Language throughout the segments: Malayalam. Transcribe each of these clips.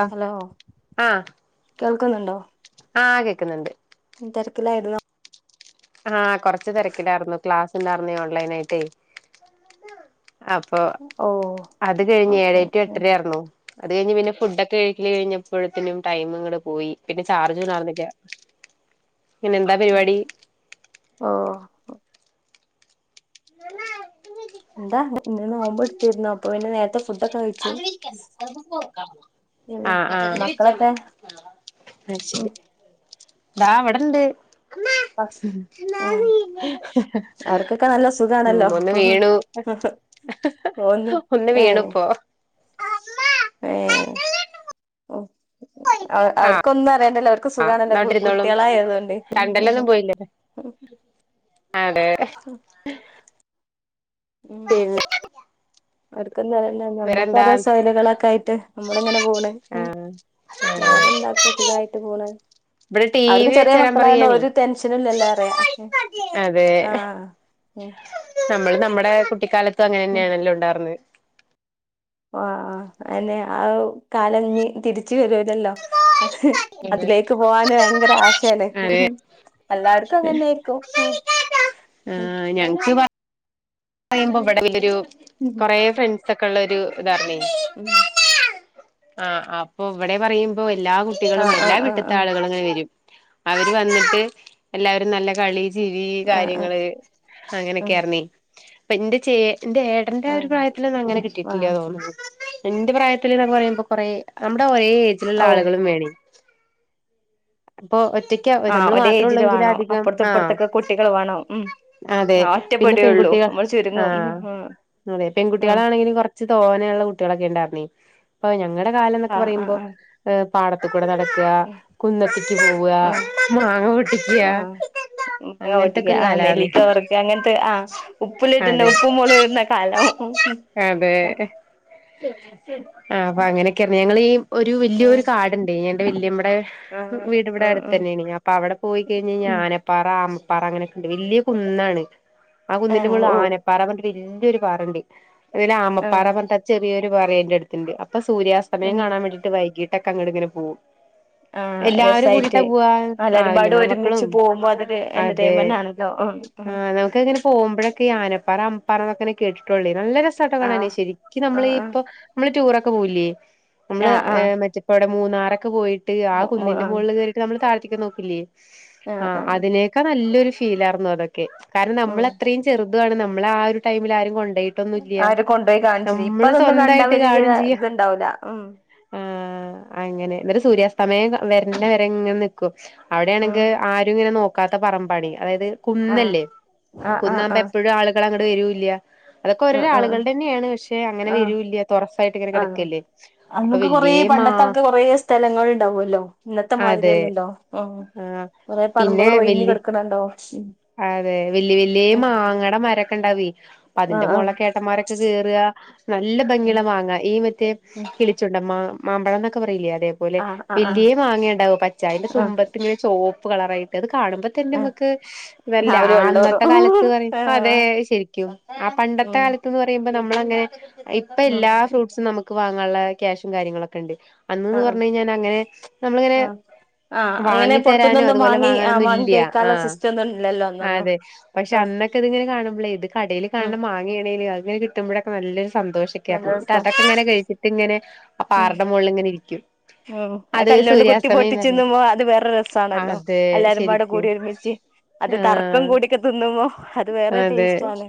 അ ഹലോ ആ കേൾക്കുന്നുണ്ടോ ആ കേക്കുന്നുണ്ട് തിരക്കിലായിരുന്നോ ആഹ് കൊറച്ച് തിരക്കിലായിന്നു ക്ലാസ് ഇണ്ടായിരുന്നേ ഓൺലൈൻ ആയിട്ടേ അപ്പൊ ഓ അത് കഴിഞ്ഞ് ഓക്കെ ഏഴേ ടു എട്ടര ആർന്നു അത് കഴിഞ്ഞ് പിന്നെ ഫുഡൊക്കെ കഴിക്കല് കഴിഞ്ഞപ്പോഴതേനും ടൈമും ഇങ്ങട്ട് പോയി പിന്നെ ചാർജ് കയർന്നില്ല ഇന്ന് എന്താ പരിപാടി ആ [unintelligible] എന്താ ഇന്ന് നോമ്പ് എടുത്തിരുന്നോ അപ്പൊ പിന്നെ നേരത്തെ ഫുഡൊക്കെ [unintelligible] കഴിച്ചു പിന്നെ ആ ആ അ [unintelligible] മക്കളൊക്കെ ഉം ഇതാവിടെണ്ട് ഭക്ഷ ഉം [unintelligible] അവർക്കൊക്കെ നല്ല സുഖാണല്ലോ ഒന്ന് വീണു ഒന്ന് ഏ വീണു ഇപ്പൊ ഏ ഓ ആഹ് അവർക്കൊന്നും അറിയണ്ടല്ലോ അവ ആഹ് സുഖാണല്ലോ ന്നാ അവിടെ ഇരുന്നോളും കുട്ടികളായതുകൊണ്ട് തണ്ടലൊന്നും പോയില്ലേ അതെ ഏഴ് അത് ക്ക് നമ്മക്കരോ സെയ്കലുകളൊക്കെ ആയിട്ട് നമ്മള്ങ്ങനെ പോണ് ഹ് ആഹ് വേറെന്താ സുഖായിട്ട് പോണ് ഇവിടെ ടി അവർക്ക് വി ചെറിയ വെച്ചരാൻ മക്കളായോണ്ട് പറയാണേ ഒരു ടെൻഷനൂല്ലലോ പറയാ ആഹ നമ്മൾ ന നമ്മുടെ കുട്ടിക്കാലത്ത് ഒക്കെ അങ്ങനെന്നെ ആണല്ലോ ഉണ്ടായിരുന്നേ ആ ആന്നെ ആ കാലം നി തിരിച്ച് വരൂലല്ലോ ഹ് അതിലേക്ക് പോവാന് ഭയങ്കര ആശയാണ് ഉ അതെ ഹും എല്ലാർക്കും അങ്ങനെ ന്നെ ആയിരിക്കും ആഹ് ഞങ്ങക്ക് പറയുമ്പോ വ്ടെ ഈ ഒരു കൊറെ ഫ്രണ്ട്സ് ഒ ക്കൊള്ളെരു ഇതാണേ ഉം ആഹ ഹാ അപ്പൊ ഇവിടെ പറയുമ്പോയ് എല്ലാ കുട്ട്യേളും ആഹ് എല്ലാ ആഹ് ആഹ് വീട്ട്ത്തെ ആളുകളും ങ്ങനെ വരും അവര് വന്നിട്ട് എല്ലാവരും നല്ല കളി ടി വി ആഹ് ആഹ് കാര്യങ്ങള് ആഹ് അങ്ങനൊക്കെ ആർന്നെ അപ്പൊ എന്റെ ചെയ എന്റെ ഏട്ടന്റെ ആ ഒരു ആഹ് പ്രായത്തിലൊന്നും അങ്ങനെ ആഹ് കിട്ടിട്ടില്ല ആഹ് തോന്നണ് എന്റെ പ്രായത്തില് എന്നൊക്കെ പറയുമ്പൊ കൊറെ നമ്മടെ രേ ഏജ്ലുള്ള ഓ ആളുകളും വേണേ അപ്പോ ആ ഒരേ ഏജില് വേണം അപ്പറത്തെ ആഹ് ഇപ്പുറത്തൊക്കെ കുട്ടികൾ വേണോ ഉം അതെ ആ പിന്നെ ഒറ്റപ്പടിയുള്ളൂ പെൺകുട്ടികൾ ആഹ് അതെ ആഹ് പെൺകുട്ടികളാണെങ്കിലും കൊറച്ച് തോനെ ഉള്ള കുട്ടികളൊക്കെ ഉണ്ടാർന്നെ [unintelligible] ഞങ്ങടെ കാലം എന്നൊക്കെ ആഹ് ആഹ് പറയുമ്പോ ആഹ് ഏഹ് പാടത്ത് കൂടെ നടക്കുക കുന്നത്തിക്ക് പോവാ ആഹ് ആഹ് മാങ്ങ പൊട്ടിക്കുക ആഹ് മുളക പൊട്ടിക്ക അങ്ങനത്തക്കെ ഒരു ആ കാലാണ് ഉപ്പിൽ ഇട്ണ അതെ ഉപ്പും മോളാകും ഇടണ കലം അതെ അപ്പ അങ്ങനൊക്കെയ ഞങ്ങള് ഈ ഒരു വല്യൊരു കാടുണ്ടേ ഞാൻ ന്റെ വല്യമ്മേ ടെ ആ ആ വീടവടെ അടുത്ത് ആ തന്നെയാണെ അപ്പ അവിടെ പോയി കഴിഞ്ഞ ഉം ആനപ്പാറ ആ പ്പാറ അങ്ങനൊക്കെണ്ട് വല്യ കുന്നാണ് പ ആ [unintelligible] ഓ ആനപ്പാറ മറ്റേ വൽ ല്ലൊരു പാറണ്ട് ഇതില് ആ ആമപ്പാറ പറഞ്ഞിട്ട് ചെറിയോ പാറന്റെ അടുത്തുണ്ട് അപ്പ് ഇപ്പ സൂര്യാസ്തമയം ഉം കാണാൻ വേണ്ടിട്ട് വൈകി ക്കെ അങ്ങട് ഇങ്ങനെ പോവും ആ രസായിട്ട് ആ അലരുമ്പാട് വല്യമ്മടെ ഒരുമിച്ച് മക്കളും പോകുമ്പോ അതൊരു അതെ എൻറ്റടെയ്ൻമെൻ്റ് ആണല്ലോ ഉം ഹ് ആഹ് നമുക്ക് ഇങ്ങനെ പോകുമ്പോഴൊക്കെ ഈ ആനപ്പാറ ആമപ്പാറ എന്നൊക്കെ ഇങ്ങനെ കേട്ടിട്ടോള്ളേ നല്ല രസട്ടോ ആ കാണാന് ശെരിക്ക് ആ നമ്മള് ആ ഇപ്പ നമ്മള് ടൂറെ ഒക്കെ പോവില്യേ ആ ആ നമ്മള് ഏഹ് മറ്റപ്പാ മൂന്നാറോക്കെ പോയി ട്ട് ആ കുന്നിന്റെ മോളില് കേറിട്ട് നമ്മള് ത ട്ടിക്ക് നോക്കിലേ ആ അതിനേക്ക നല്ല്യൊരു ഫീലായിരുന്നു അതക് ക്കെ കാരണം ഉം നമ്മളത്രയും അതുവാണ് നമ്മളെ ആ ഒരു ടൈമില് ആരും കൊണ്ട് ആര് കൊണ്ടുപോയി കാണിച്ചിത് ഇപ്പ അതൊന്നും കണ്ടാ സ്വന്തായിട്ട് വല്യത് കാണും ചെയ്യാ ഇത് ണ്ടാവൂല ഉം ആ അങ്ങനെ എന്നിട്ട് സൂര്യാസ്തമയം വര്ണവരെങ്ങനെ നിക്കും ഉം അവിടെയാണെങ്കി ആരും ഇങ്ങനെ നോക് ക്കാത്ത പറമ്പാണെ അതായത് ആ കുന്നല്ലേ കുന്നാകുമ്പോ എപ്പോഴും ആളുകൾ അങ്ങ ട്ട് വരൂല്ല്യ അ ആ അങ്ങനെ ആ വരൂല്ല തൊറസായിട്ട് ഇങ്ങനെ ആ കിടക്കല്ലേ അപ്പൊ അമ്മക്ക് കുറേ വല്യ മാ പണ്ടത്താൾക്ക് കൊറേ സ്ഥലങ്ങളുണ്ടാകുല്ലോ അതെ എന്നത്തെമാതിരിയല്ലല്ലോ ഉം ആഹ് കൊറേ പിന്നെ പറമ്പുകളും വല്യ ഓയിഞ്ഞുകിടക്കണുണ്ടാവും അതെ വല്ല്യേ വല്ല്യേ മാങ്ങടെ മരൊക്കേണ്ടവുവേ അതിന്റെ ആഹ് ആഹ് മോളിലൊക്കെ ഏട്ടന്മാരൊക്കെ കേറുക നല്ല ഭംഗിയുള്ള മാങ്ങാ ഈ മറ്റേ ഉം കിളിച്ചുണ്ടൻ മാ മാമ്പഴംന്നൊക്കെ പറയില്ലേ അ അതേപോലെ ആഹ് ആഹ് ആഹ് വലിയേ മാങ്ങയുണ്ടാവും പച്ച അതിന്റെ ആഹ് തുമ്പത്ത് ഇങ്ങനെ ചൊവൊ പ്പു കളറായിട്ട് അത് കാണുമ്പോത്തന്നെ ആഹ് നമുക്ക് ശ് അല്ല നാവില് ആ വെള്ളൂറും അന്നത്തെ കാലത്ത് പറയുമ്പം അതെ ആഹ് ശെരിക്കും ആ പണ്ടത്തെ ഉം കാലത്തെന്നു പറയും മ്പം നമ്മളെങ്ങനെ ഇപ്പൊ ഉം എല്ലാ ഫ്രൂട്ട്സും നമു ക്കു വാങ്ങാനൊള്ള ക്യാഷും കാര്യങ്ങളൊക്കെണ്ട് അന്നൊന്നും ആഹ് പറഞ്ഞുകഴിഞ്ഞാൽ അങ്ങനെ നമ്മളങ്ങനെ ആഹ് ആഹ് അങ്ങനെ വാങ്ങിത്തരാനും പുറത്തുന്നൊന്നും അതുപോലെ വാങ്ങി ആഹ് വാങ്ങി വാങ്ങാനൊന്നുമില്യ കഴിക്കാനുള്ള സിസ്റ്റം ഒന്നും ഇല്ലല്ലോ അന്നൊന്നും അതെ പക്ഷെ ആഹ് അന്നൊക്കെ ഇതിങ്ങനെ കാണുമ്ബ്ലെ കടയില് ഉം കാണുന്ന മാങ്ങയാണെ അല്ലേലും അങ്ങനെ കിട്ടുമ്പോഴൊക്കെ നല്ല നല്ല സന്തോഷിക്കാരുന്നു ന്നിട്ട് രസാ അതൊക്കെ ഇങ്ങനെ കഴിച്ചിട്ടിങ്ങനെ ആ പർടെ മോളിലിങ്ങനെ ഇരി രിക്കും ഓ അത് കല്ലോണ്ട് കുത്തി പൊട്ടിച്ച് തിന്നുമ്പോ അത് വേറൊരു രസമാണല്ലോ അതെ എല്ലാവരും കൂടെ ശരിക്കും കൂടിയൊരുമിച്ച് അത് തർക്കം ആഹ് കൂടിക്കെ തിന്നുമ്പോ അത് വേറെ അതെ ടേസ്റ്റ് ആണ്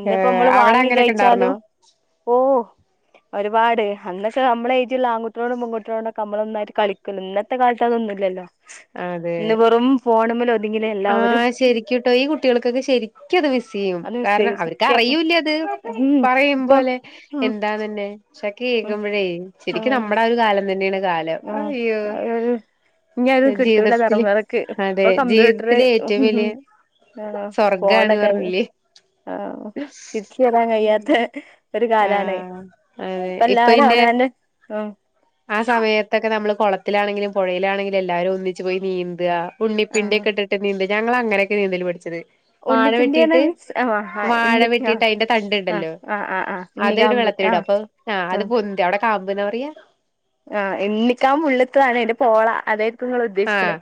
ഇന്നിപ്പോ ഏഹ് നമ്മള് അവിടെ വാങ്ങി അങ്ങനെയൊക്കെ ഇണ്ടാർന്നോ കഴിച്ചാലും ഓ ഒരു പാട് അന്നൊക്കെ നമ്മടെ ഏജിലുള്ള ആൺകുട്ടിയോളും പെൺകു ട്ടിയോളുമായിട്ട് നമ്മളൊന്നായിട് കളിക്കുലോ ഇന്നത്തെ കാലത്ത് അതൊന്നുല്ലല്ലോ അതെ ഇന്ന് വെറും ഫോണുമ്മല് ഒതുങ്ങില്ലേ എല്ലാവരും ആഹ ശരിക്കുട്ടോ ഈ കുട്ടികൾക്കൊക്കെ ശരിക്കെ അത് മിസ് ചെയ്യും അത് കാരണം സേവ് അവർക്ക് സത്യം അറിയൂല്ല അത് ഉം പറയുമ്പോ ഇപ്പൊ പോലെ ഉം എന്താന്നെന്നെ ഉം കേക്കുമ്പോഴേ ശരിക്കും നമ്മുടെ ആ ഒരു കാലം തന്നെ ന്നെയാണ് ആഹ അതൊരു അത് കിട്ടൂല ജീവിതത്തില് തറമുറക്ക് ഇപ്പൊ അതെ കമ്പ്യൂട്ടർ ജീവിതത്തിലെ ഏറ്റവും വലിയ ആ സ്വർഗാണ് ഫോണൊക്കെ ആയി പറഞ്ഞില്ലേ തിരിച്ചുവരാൻ കഴിയാത്ത ഒരു കാലാണ് ആഹ് അതെ ഇപ്പ ഇപ്പൊ എല്ലാവരും പിന്നെ അവനോന്റെ ത്തൊക്കെ നമ്മള് കുളത്തിലാണെങ്കിലും പുഴയിലാണെങ്കിലും എല്ലാരും ഒന്നിച്ച് പോയി നീന്ത ആ ഉണ്ണിപ്പിണ്ടിക്കെ ഇട്ടിട്ട് നീന്തി ഞങ്ങള് അങ്ങനെയൊക്കെയാ നീന്തല് പഠിച്ചത് വാഴ ഉണ്ണിപ്പിണ്ടി പറഞ്ഞ വെട്ടിട്ട് മീൻസ് ആ വാഴ ഇണ്ണി ആ വെട്ടിട്ട് അതിന്റെ ആ തണ്ടുണ്ടല്ലോ ആ ആ ആ അത് ഇണ്ണിക്കാമ്പ് വെള്ളത്തില് ആ ഇടും അപ്പൊ ആ അത് പൊന്തി അവിടെ കാമ്പ് ന്നാ പറയാ ആ ഇണ്ണിക്കാമ്പ് ഉള്ളിത്തെതാണ് അതിന്റെ പോള അതായത് ആഹ്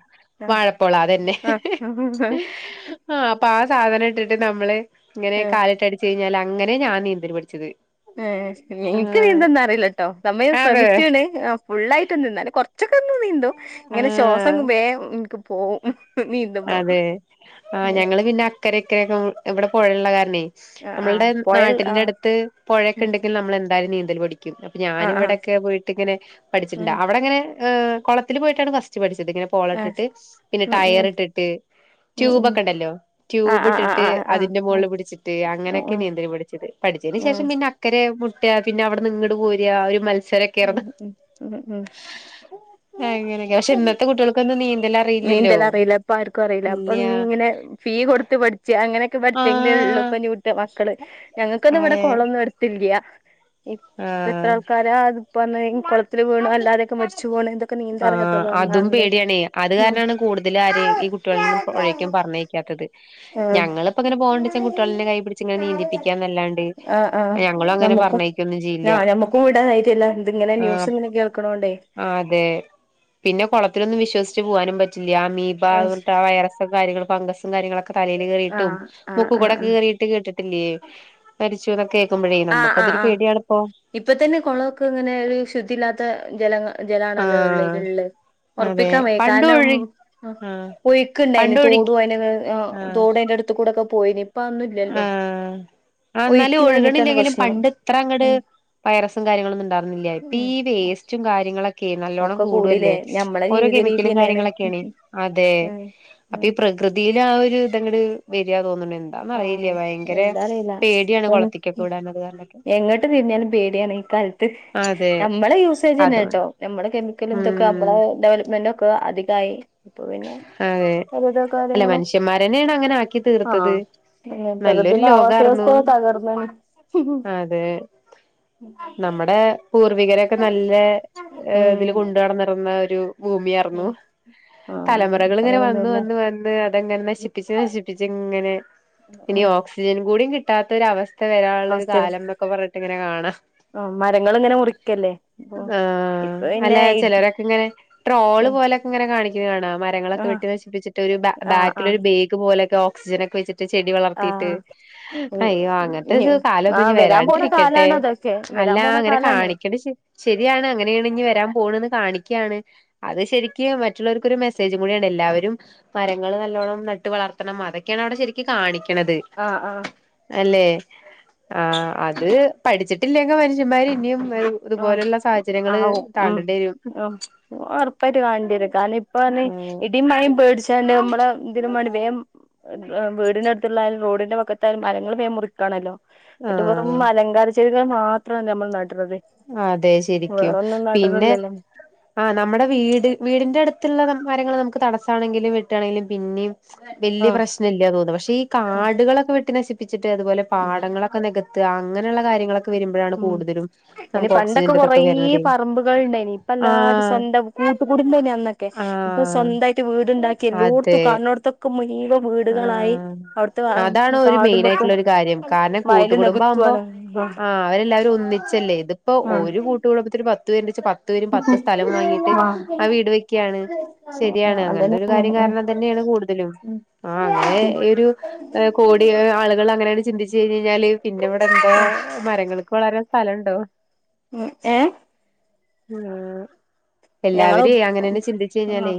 വാഴപ്പോള അതന്നെ ആ ആ ആ പാ സാധനം ഇട്ടിട്ട് നമ്മള് ഇങ്ങനെ ഏ കാലിട്ടടിച്ച് കഴിഞ്ഞാൽ അങ്ങനെ ഞാൻ നീന്തല് പഠിച്ചത്. എനിക്ക് നീന്തം ആഹ് ഒന്നും അറിയില്ലട്ടോ സംഭവം ഞാൻ അതെ ശ്രമിച്ചണ് ഫുള്ളായിട്ട് ല്ല ന്നാലും കൊറ ച്ചൊക്കെ ന്ന് നീന്തും. ഇങ്ങനെ ശ്വാസം ആഹ് വേം പോവും നീന്തുമ്പോ അതെ ആ ഞങ്ങള് പിന്നെ അക്കരിക്കരൊക്കെ ഇവിടെ പൊഴയുള്ള കാ ണെ ആ ആ നമ്മളുടെ പുഴൽ ആ നാട്ടിന്റെ അടുത്ത് പുഴയൊക്കെ ഉം ഉണ്ടെങ്കിൽ നമ്മൾ എന്തായാലും നീന് ന്തൽ പടി ക്കും അപ്പൊ ഞാനും ആഹ് ആഹ് ഇവിടൊക്കെ പോയിട്ട് ഇങ്ങനെ പഠിച്ചിട്ടുണ്ട്, ഉം അവിടെങ്ങനെ ഏഹ് കൊളത്തില് പോയിട്ടാണ് ഫസ്റ്റ് പഠിച്ചത്. [unintelligible] ഇങ്ങനെ പോള ആഹ് ഇട്ടിട്ട് പിന്നെ ഉം ഉം ടയർ ഇട്ടിട്ട് [unintelligible] ഉം ഉം ട്യൂബൊക്കെ ഉണ്ടല്ലോ ആഹ് ട്യൂബ് ആഹ് ഇട്ടിട്ട് ആഹ് ആഹ് ആഹ് അതിന്റെ മോളിൽ പിടിച്ചിട്ട് ആഹ് അങ്ങനെയൊക്കെ ആഹ് നിന്തൽ പഠിച്ചത് പഠിച്ചേന് ശേഷം ആഹ് പിന്നെ അക്കരെ പിന്നെ അവിട്ന്ന് ഇങ്ങട് പോരാ ഒരു മത്സ [unintelligible] ഉം യായിരുന്നു ഉം ഉം ഉം അങ്ങനൊക്കെ പക്ഷെ ഇന്നത്തെ കുട്ടികൾക്കൊന്നും നീന്തൽ അ നീന്തല് അറിയില്ല അപ്പൊ അറിയില്ല അപ്പൊ ഇ ഇങ്ങനെ ഫീ കൊടുത്ത് പഠിച്ച് അങ്ങനൊക്കെ പഠിച്ചെങ്കിലെ ഇള്ളൂ ആഹ് [unintelligible] മക്കള് ഞങ്ങക്കൊന്നും അതെ ഇവിടെ കൊളമൊന്നും അടുത്തില്ല്യാ ഇപ് ഇപ്പ ഇത്ര ആഹ് ആൾക്കാരെ ഇത് ഇപ്പ [unintelligible] ഈ കൊളത്തില് വീണ് അല്ലാതെയൊക്കെ മരിച്ചു പോണേൻ്റെ ആഹ് അതുംപോടിയാണേ അത് ഉം ഇതുകാരനാണ് കൂടുതല് ആരെയും ആഹ് ഈ കുട്ടികളെന്നും പൊഴേക്കും പറ്ഞ്ഞേക്കാത്തത് ആഹ് കൈ പിടിച്ച് ഇങ്ങനെ നീന്തിപ്പിക്കാന്നല്ലാണ്ട് ആഹ് ആഹ് ഞങ്ങളും അങ്ങനെ ഞമ്മക്കും പറഞ്ഞയക്കൊന്നും ചെയ്യില്ല ഞാ ഞമ്മക്കും ഇവിടെ ധൈര്യല്ലാ ഇത് ഇങ്ങനെ ആഹ് ന്യൂസ് ഇങ്ങനെ കേൾക്ക്ണോണ്ടേ അതെ പിന്നെ കൊളത്തിലൊന്നും വിശ്വസിച്ച് പോവാനും പറ്റ് ല്ല്യാ ആ അമീബാർഞ്ഞ്ട്ടാ ആഹ് വൈറസ് കാര്യങ്ങളു ഫംഗസ് കാര്യങ്ങളൊ ക്കെ തലേല് ആ കേറിട്ടും ആ ആ മുക്ക്ക്കൂടെ കേറീട്ട് കേട്ടിട്ടില്ലേ [unintelligible] ആഹ് ആഹ് നമുക്കതൊരു ആഹ് പേടിയാണിപ്പോ ഇപ്പതന്നെ കൊളൊക്കങ്ങനെ ഒര് ശുദ്ധിയില്ലാ ത്ത് ജലങ്ങ ജലാണല്ലോ ഉള്ളിൽ ആഹ് ഉള്ളേ അതെ ഒറപ്പിക്കാൻ വയ്യ പണ്ട് കാരണം ഒഴി ആഹ് ഒഴുക്കിണ്ട് അതിന് പണ്ട് തോടു ഒഴുകി അതിന് ഏ ആഹ് തോടും അതിന്റെ അടുത്ത് കൂടൊക്കെ പോയിന് ഇപ്പ അതോന്നുല്ലല്ലോ ഒഴിക്കില്ലാഞ്ഞി ഇപ്പിലെങ്കിലും പണ്ട് ഇത്ര അങ്ങട് വൈറസും കാര്യങ്ങളൊന്നും ഉണ്ടാർന്നില്ല, ഇപ്പ ഉം ഈ വേസ്റ്റും കാര്യങ്ങളൊക് ക്കെ നല്ലോണം ഒക്കെ കൂടല്ലേ, കൂടില്ലേ ഞമ്മളെ ഓരോ ജീവിത രീതി കെമിക്കലും തന്നെയാണ് കാര്യങ്ങളൊക്കെയാണ്, അതെ ഉം അപ്പ ഈ ഉം പ്രകൃതിയിൽ ആ ഒരു ത് അങ്ങട് വരിയാ തോന്നണ്ന്ന്. ആഹ് എന്താ അറിയില്ല പേടിയാണ് കുളത്തിക്കൊക്കെ വിടാൻ [unintelligible] അത് കാരണൊക്കെ എങ്ങോട്ട് തിരിഞ്ഞാലും പേടിയാണ് ഈ കാലത്ത് അതെ നമ്മളെ യൂസേജ് തന്നെ കേട്ടോ അതുകൊണ്ട് നമ്മളെ കെമിക്കൽ എന്തൊക്കെ ഉം [unintelligible] ഡെവലപ്മെന്റോ ക്ക അധികായി അതെ അല്ല കാര്യങ്ങളും മനുഷ്യന്മാരന്നെയാണ് അങ്ങനെ ആക്കി തീർത്തത്. ഏ നല്ലൊരു പ്രകൃതിടെ ആവാസ ലോകാർന്നു വ്യവസ്ഥയാ തകർന്നത്. അതെ ഒക്കെ നല്ല ഏ ഇതില് കൊണ്ടു നടന്നിരുന്ന ഒരു ഭൂമി ആർന്നു. ഉം ആഹ് തലമുറകൾ ഇപ്പ ഇങ്ങനെ വന്ന് അങ്ങനൊന്നുല്ല വന്ന് വന്ന് അതങ്ങനെ നശിപ്പിച്ച് നശിപ്പിച്ച് ഇങ്ങനെ ഇനി ഉം ഓക്സിജൻ കൂടിയും കി കിട്ടാത്തൊരു അവസ്ഥ വരാനുള്ളൊ ഒരു അവസ്ഥ കാലം എന്നൊക്കെ പറ ങ്ങനെ കാണാം ആഹ് മരങ്ങൾ ഇങ്ങനെ മുറിക്കല്ലേ അപ്പൊ ആ ഇപ്പൊ അല്ല പിന്നെ ഇടി ചിലരൊക്കെ ഇങ്ങനെ ട്രോൾ ആഹ് പോലൊക്കെ ഇങ്ങനെ കാണി കാണാം മരങ്ങളൊക്കെ വെട്ടി നശിപ്പിച്ചിട്ട് ഒരു ആഹ് ബാക്കിൽ ആഹ് ഒരു ബെഗ് പോലെ ഓക്സിജനെക്കെ വെച്ചി ചെടി വളർത്തിട്ട് ആഹ് അയ്യോ അങ്ങനത്തെ കാലംന്നും ഇനി ആഹ് വരാൻ പോണ വരാണ്ടിരിക്കട്ടെ കാലാണ് അതൊക്കെ അല്ല വരാൻ പോണ അങ്ങനെ കാലാണ് കാണിക്കണ ശ ശരിയാണ് അങ്ങനെയാണ് ഇനി വരാൻ പോണത് കാണിക്കുകയാണ് അത് ശരിക്കും മറ്റുള്ളവർക്കൊരു മെസ് മെസേജും കൂടിയാണ് എല്ലാവരും മരങ്ങൾ നല്ലോണം നട്ട് വളർത്തണം അതൊക്കെയാണ് അവിടെ ശരിക്ക് കാണിക്കു ക്കണത് ആഹ് ആഹ് അല്ലെ ആ അത് പഠിച്ചിട്ടില്ലെങ്ക മനുഷ്യന്മാര് ഇനിയും ആ ഇതുപോലുള്ള ആ സാഹചര്യങ്ങള് ഉ താണ്ടേണ്ടി വരും ഉറപ്പായിട്ട് കണ്ടിര ക- പ്പന്ന് ഉം ഇടിയും മഴയും പേടി - ചെണ്ടമ്മള [unintelligible] ഇ ദിന മണവേം [unintelligible] വീടിനഅടുത്തുള്ളായാലും റോഡിന്റെ പക്കത്തായാലും മരങ്ങൾ വേ മുറിക്കാണല്ലോ എട്ട്പ്പറം ആഹ് അലങ്കാര ചെ [unintelligible] മാത്രമാണ് നമ്മൾ നട്ടുള്ളത് അതെ ശരിക്കും പിന്നെ നടണില്ലല്ലോ ആ നമ്മുടെ വീട് വീടിന്റെ അടുത്തുള്ള- മരങ്ങള് നമുക്ക് തടസ്സമാണെങ്കിലും വിട്ടുകണെങ്കിലും പിന്നെയും- വല്യ ആഹ് പ്രശ്ന ഇല്ല തോന്നുന്നു പക്ഷെ ഈ ഉം കാടുകളൊക്കെ വെട്ടി നശി ചിട്ട് അതുപോലെ ഉം പാടങ്ങളൊക്കെ നികത്തു - ത് അങ്ങനെയുള്ള കാര്യങ്ങളൊക്കെ- വരുമ്പോഴാണ് കൂടുതലും- ഇനി നമുക്ക് പണ്ടൊക്കെ ഓക്സിജന്റെ കൊറേ ഇതൊക്കെ വരണതേ പറമ്പുകൾ ഉണ്ടായിനി ഇപ്പ എല്ലാരും ആഹ് സ്വന്തം കൂട്ട കൂടിണ്ടന അന്നൊക്കെ ഇപ്പൊ ആഹ് സ്വന്തായിട്ട് വീട് എലോടത്തു അതെ കാണോടത്തക്ക മു ഈവ വീടുകളായി ആഹ് അവിടുത്തെകാ അതാണ് ഒരു കാട മെയിൻ തക്കും ആയിട്ടുള്ള ഒരു കാര്യം കാരണം വയല് നികുത്തുവാണ് എല്ലാരും ഒന്നിച്ചല്ലേ ഇതിപ്പോ ഒരു കൂട്ട് കുടുംബത്തിൽ പ [unintelligible] പത്ത് പേരും പത്ത് സ്ഥലം വാങ്ങീയിട്ട് ആ വീട് വെക്കുകയാണ് ശരിയാണ് ആഹ് അങ്ങനത്തെ ഒരു കാര്യം അതന്നെയാണ് ആഹ് കാരണം തന്നെയാണ് കൂടു തിലും [unintelligible] ആ അങ്ങനെ ഒരു കോടി ആളുകൾ അങ്ങനെയാണ് ചിന്തിച്ച കഴഞ് കഴിഞ്ഞാല് പിന്നെ ഇവിടെ എന്താ മരങ്ങൾക്ക് വളരാൻ- പലുണ്ടോ ഉ ഏ ആ ഞങ്ങള് എല്ലാവര അങ്ങനെന്നെ ചിന്തിച്ച ആഹ് കഴിഞ്ഞാലേ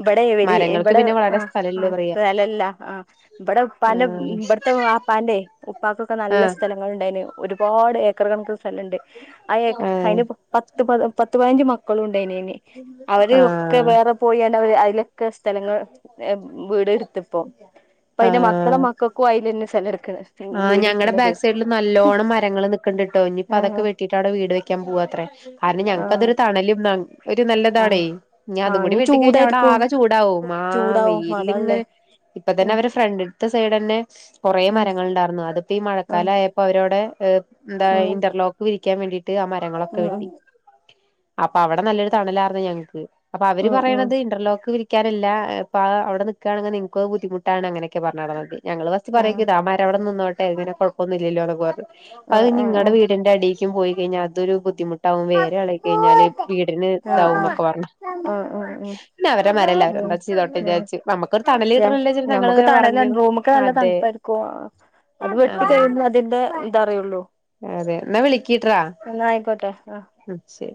ഇവിടെ മരങ്ങൾക്ക് പിന്നെ വളരെ സ്ഥലല്ല പറയാ- ല്ല അഹ് ഇവുടെ ഉപ്പന്റെ ആഹ് ഇവിടത്തെ ആ വാപ്പാന്റെ ഉപ്പക്ക്- ഒക്കെ നല്ല ആഹ് സ്ഥലങ്ങള ഉണ്ടായിന് ഒരുപാട് ഏക്കർ കണക്ക് സ്ഥലുണ്ട് അ ഏഹ് അയിന് പത്ത് പ പത്ത്പൈനഞ്ച് മക്കളു എയ്ന് അവര് ഒക്കെ വേറെ പോയാണ്ടവര് അത് എടുത്തിപ്പോ അപ്പൊ അതിന്റെ മക്കളെ ആഹ മക്കൾക്കും അതിൽ തന്നെ സ്ഥലം എടുക്കണ് ആ വീട് ഞങ്ങളുടെ എടുക്കണത് ബാക്ക് സൈഡില് നല്ലോണ്ണം മരങ്ങള്ൾ നക്കണ്ടിട്ടോ ഇനിപ്പോ അതൊക്കെ ആ വെട്ടിട്ട് അവിടെ വീട് വെക്കാൻ പോവാത്രേ കാരണം ആ ഞങ്ങക്ക് അതൊരു തണലും ഒരു ആ നല്ലതാണീ ഞാ ആ അതും കൂടി ഇനി വെട്ടിക്കഴിഞ്ഞ അവിടെ ചൂടായിരിക്കും ആകെ ചൂടാ ഉമാ ചൂടാവും വെയില അതാ ഉള്ളേ ഇങ്ങനെ ഇപ്പൊ തന്നെ ഉം അവര് ഫ്രണ്ട് സൈഡ് തന്നെ കുറെ ഉം മരങ്ങൾ ഉണ്ടായിരുന്നു അതിപ്പോ ഈ ആ മഴക്കാലയപ്പോ അവരോടെ എഏ എന്താ ഉം ഇന്റർലോക്ക് വിരിക്കാൻ വേണ്ടിട്ട് ആ മരങ്ങളൊക്കെ ഉം ഉം വെട്ടി അപ്പൊ അവിടെ നല്ലൊരു തണലായിുന്ന ഞങ്ങക്ക് അപ്പൊ അവര് ഉം ഉം പറയണത് ഇന്റർലോക്ക് നിിക്കക്കറില്ല അപ്പൊ അവിടെ നിക്കുകയാണെങ്കിൽ നിങ്ങൾക്ക്ത് ബുദ്ധിമുട്ടാണ് അങ്ങനെയൊക്കെ പറഞ് തന്നത് ഞങ്ങള്ൾഭാസ്റ്റ് ആ പറയക്ക ഇത ആമാരവി നിന്നോ ഏനെ കുഴപ്പൊന്ന ഇില്ലല്ലോ പറഞ്ഞ അപ്പ ആഹ് അത് ആഹ് ആഹ് നിങ്ങളടെ വീടിന്റെ അടി കും പോയിഴിഞ്ഞൽ അതൊരു ബുദ്ധിമുട്ട് വും ആഹ് വേള കഴിഞ്ഞാല് വീടിന് ആഹ് ഇതാവൊക്കെ പറഞ്ഞു ആഹ് പി അവരെ അവരെന്താ ചെയ്തോട്ടെ വിചാരിച്ച് നമുക്കൊരു തണല് ഉ കിട്ടണല്ലോ വിചാരിച്ച് നമുക്ക് ഞങ്ങളിങ്ങനെ തണല്ല പറഞ്ഞു റൂമ ഒക്കെ നല്ല അതെ തണുപ്പായിരിക്കും അത് വെട്ടിക്കഴിഞ്ഞ ആഹ് അതിന്റെ എന്താറിയുള്ളൂ അതെ എന്നാ വിളിക്കീട്ട്രാ ആഹ് ശരി